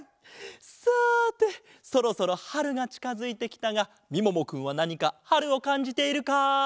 さてそろそろはるがちかづいてきたがみももくんはなにかはるをかんじているかい？